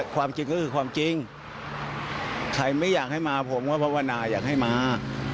ความจริงก็คือความจริงใครไม่อยากให้มาผมก็ภาวนาอยากให้มา